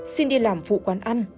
xin đi làm phụ quán ăn